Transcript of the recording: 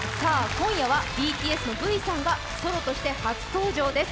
今夜はＢＴＳのＶさんがソロとして初登場です